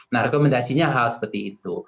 nah rekomendasinya hal seperti itu